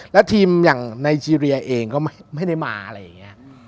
แล้วทีมอย่างไนเจรียเองก็ไม่ได้มาอะไรอย่างนี้